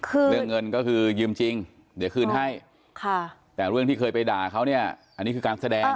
คือเรื่องเงินก็คือยืมจริงเดี๋ยวคืนให้ค่ะแต่เรื่องที่เคยไปด่าเขาเนี่ยอันนี้คือการแสดง